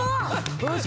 よし！